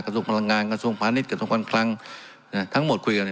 ส่วนพลังงานกระทรวงพาณิชย์กระทรวงการคลังทั้งหมดคุยกัน